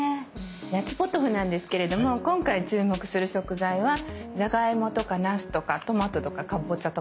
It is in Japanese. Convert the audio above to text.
「夏ポトフ」なんですけれども今回注目する食材はじゃがいもとかナスとかトマトとかかぼちゃとか。